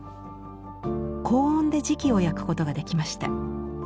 高温で磁器を焼くことができました。